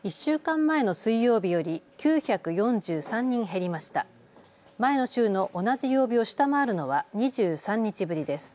前の週の同じ曜日を下回るのは２３日ぶりです。